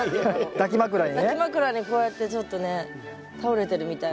抱き枕にこうやってちょっとね倒れてるみたいな。